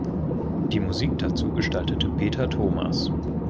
Die Musik dazu gestaltete Peter Thomas.